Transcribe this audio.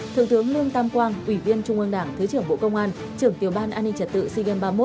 thượng tướng lương tam quang ủy viên trung ương đảng thứ trưởng bộ công an trưởng tiểu ban an ninh trật tự sea games ba mươi một